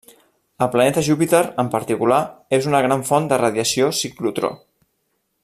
El planeta Júpiter en particular és una gran font de radiació ciclotró.